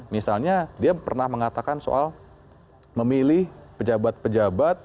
misalnya dia pernah mengatakan soal memilih pejabat pejabat